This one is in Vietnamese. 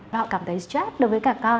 và họ cảm thấy stress đối với cả con